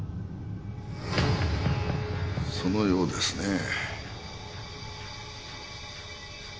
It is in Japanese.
そのようですねえ。